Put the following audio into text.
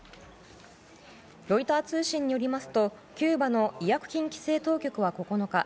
ロイター通信によりますとキューバの医薬品規制当局は９日